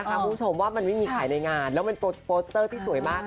คุณผู้ชมว่ามันไม่มีขายในงานแล้วมันโปสเตอร์ที่สวยมาก